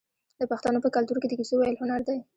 د پښتنو په کلتور کې د کیسو ویل هنر دی.